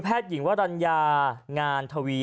แพทย์หญิงวรรณยางานทวี